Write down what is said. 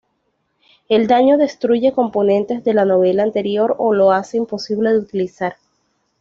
El daño destruye componentes de la novela anterior o lo hace imposible de utilizar.